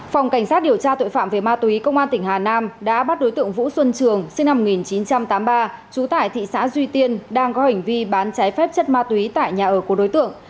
phòng cảnh sát điều tra tội phạm về ma túy công an tỉnh hà nam đã bắt đối tượng vũ xuân trường sinh năm một nghìn chín trăm tám mươi ba trú tại thị xã duy tiên đang có hành vi bán trái phép chất ma túy tại nhà ở của đối tượng